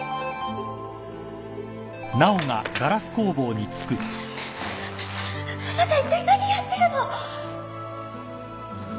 あなたいったい何やってるの！？